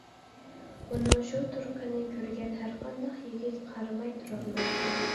ئۇنىڭ شۇ تۇرقىنى كۆرگەن ھەرقانداق يىگىت قارىماي تۇرالمايتتى.